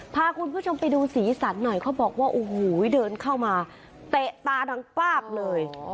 พาคุณผู้ชมไปดูสีสันหน่อยเขาบอกว่าโอ้โหเดินเข้ามาเตะตาดังป้าบเลย